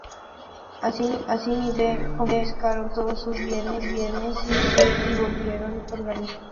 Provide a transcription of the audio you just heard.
Asimismo se confiscaron todos sus bienes, y se disolvieron organizaciones asociadas.